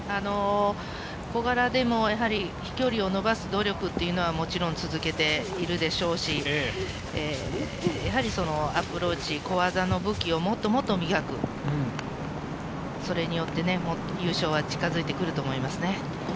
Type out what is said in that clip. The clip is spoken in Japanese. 小柄でも飛距離を伸ばす努力というのは、もちろん続けているでしょうし、やはりアプローチ、小技の武器をもっともっと磨く、それによって優勝は近づいてくると思いますね。